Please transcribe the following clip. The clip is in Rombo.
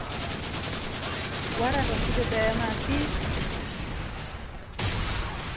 Warandwa suveta yamafi?